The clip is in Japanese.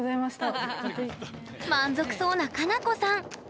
満足そうな奏子さん。